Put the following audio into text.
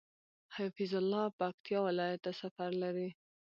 حفيظ الله پکتيا ولايت ته سفر لري